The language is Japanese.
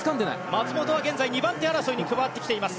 松元は現在、２番手争いに加わってきています。